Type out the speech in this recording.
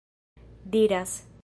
diras